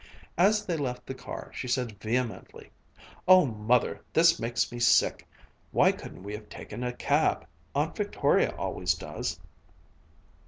As they left the car, she said vehemently: "Oh, Mother, this makes me sick! Why couldn't we have taken a cab? Aunt Victoria always does!"